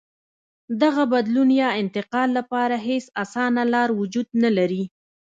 دغه بدلون یا انتقال لپاره هېڅ اسانه لار وجود نه لري.